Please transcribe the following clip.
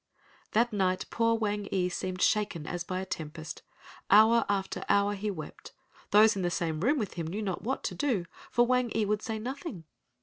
That night poor Wang ee seemed shaken as by a tempest. Hour after hour he wept. Those in the same room with him knew not what to do—for Wang ee would say nothing.